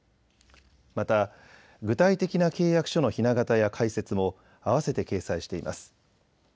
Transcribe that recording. また、具体的な契約書のひな型や解説もあわせて掲載しています。